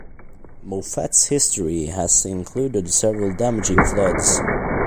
Moffett's history has included several damaging floods.